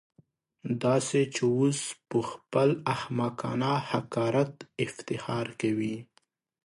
داسې چې اوس پهخپل احمقانه حقارت افتخار کوي.